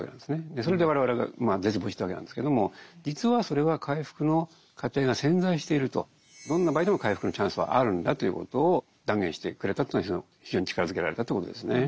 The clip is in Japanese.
それで我々が絶望してたわけなんですけども実はそれは回復の過程が潜在しているとどんな場合でも回復のチャンスはあるんだということを断言してくれたというのは非常に力づけられたということですね。